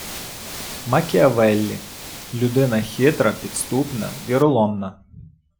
Макіавеллі - людина хитра, підступна, віроломна